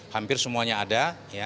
hampir semuanya ada